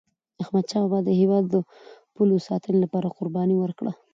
احمدشاه بابا د هیواد د پولو د ساتني لپاره قرباني ورکړه.